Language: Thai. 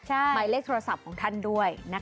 หมายเลขโทรศัพท์ของท่านด้วยนะคะ